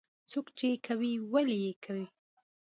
څوک یې کوي او ولې یې کوي.